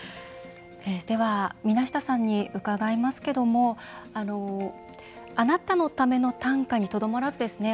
では、水無田さんに伺いますけども「あなたのための短歌」にとどまらずですね